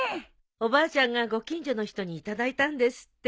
おばあちゃんがご近所の人に頂いたんですって。